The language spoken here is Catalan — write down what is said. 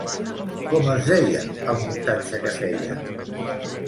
Com es deia el muntatge que feien?